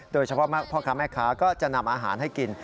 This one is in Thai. โดยเฉพาะพ่อค้าแม่ค้าก็จะนำอาหารให้กิน